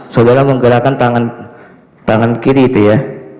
saudara menggerakkan tangan kiri itu ya